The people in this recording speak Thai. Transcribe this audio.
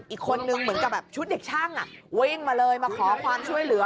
อีกคนนึงเหมือนกับแบบชุดเด็กช่างวิ่งมาเลยมาขอความช่วยเหลือ